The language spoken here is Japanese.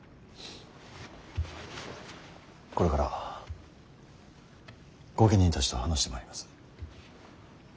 これから御家人たちと話してまいります。